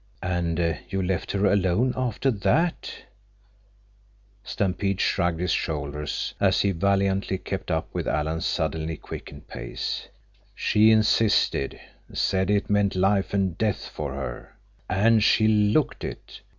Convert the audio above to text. "And you left her alone after that?" Stampede shrugged his shoulders as he valiantly kept up with Alan's suddenly quickened pace. "She insisted. Said it meant life and death for her. And she looked it.